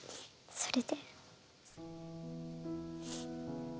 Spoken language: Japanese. それで？